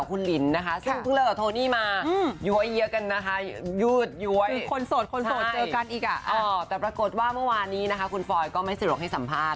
คนโสดเจอกันอีกอะแต่ปรากฏว่าเมื่อวานี้คุณฟอยก็ไม่สามารถให้สัมภาษณ์